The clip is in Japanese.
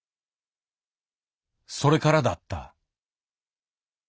それからだった。